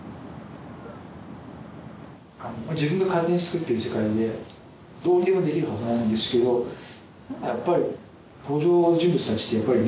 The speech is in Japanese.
自分が勝手につくってる世界でどうにでもできるはずなんですけどやっぱり登場人物たちってやっぱりねやっぱりちゃんといるんですよね。